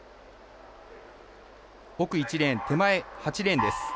奥１レーン、手前８レーンです。